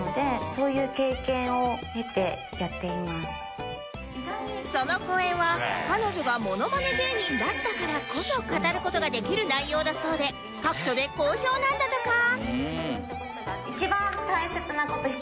正解はその講演は彼女がモノマネ芸人だったからこそ語る事ができる内容だそうで各所で好評なんだとか